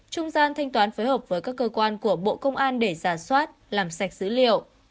trung gian thanh toán phối hợp với các cơ quan của bộ công an để giả soát làm sạch dữ liệu